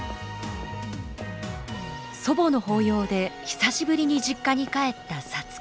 祖母の法要で久しぶりに実家に帰った皐月。